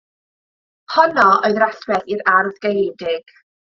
Honno oedd yr allwedd i'r ardd gaeedig.